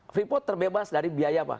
freeport terbebas dari biaya pak